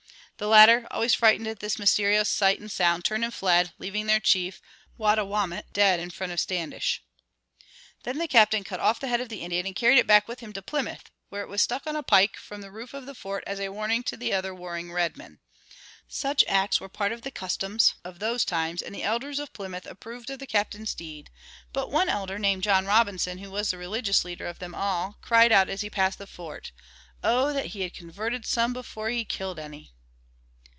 The latter, always frightened at this mysterious sight and sound, turned and fled, leaving their chief, Wattawamat, dead in front of Standish. Then the Captain cut off the head of the Indian and carried it back with him to Plymouth, where it was stuck on a pike from the roof of the fort as a warning to other warring redmen. Such acts were part of the customs of those times, and the elders of Plymouth approved of the Captain's deed, but one elder, named John Robinson, who was the religious leader of them all, cried out as he passed the fort, "Oh, that he had converted some before he killed any!"